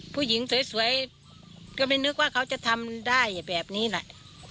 ผู้หญิงสวยก็ไม่นึกว่าเขาจะทำได้แบบนี้แหละ